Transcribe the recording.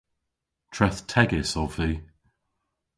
Trethtegys ov vy.